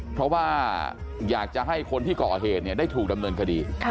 เพราะว่าอยากจะให้คนที่ก่อเหตุได้ถูกดำเนินคดี